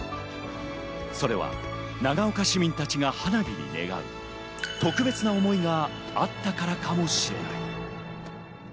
それは長岡市民たちが花火に願う特別な思いがあったからかもしれない。